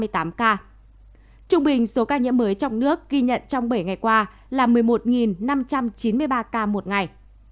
trung bình số ca nhiễm mới trong nước ghi nhận trong bảy ngày qua là một mươi một năm trăm chín mươi ba ca một ngày